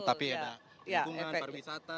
tapi ada lingkungan pariwisata